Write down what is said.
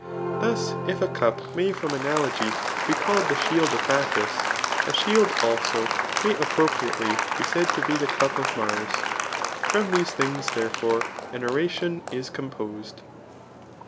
Thus if a cup may [from analogy] be called the shield of Bacchus, a shidd also may appropriately be 'said to be the cup of Mars* From these things, th^efore, an bratioa is composed.